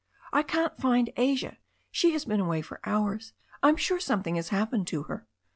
"I can't find Asia. She has been away for hours. I'm sure something has happened to her."